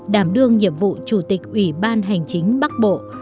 đảm đương nhiệm vụ chủ tịch ủy ban hành chính bắc bộ